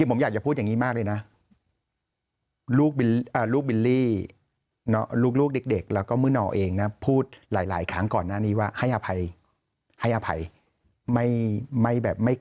ประเด็นที่สองจริงผมอยากจะพูดอย่างนี้มากเลยนะ